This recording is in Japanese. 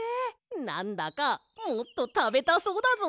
なんだかもっとたべたそうだぞ。